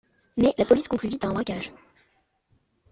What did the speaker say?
Mais la police conclut vite à un braquage.